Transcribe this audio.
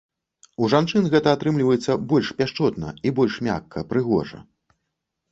У жанчын гэта атрымліваецца больш пяшчотна і больш мякка, прыгожа.